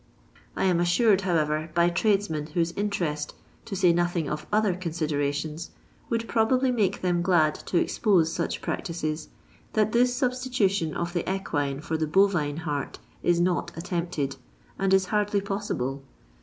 I am assured, however, by tradesmen whose interest (to say nothing of other eonsiderations) would probably make them glad to expose such practices, that this substitution of the equine for the bovine heart is not attempted, and is hardly possible.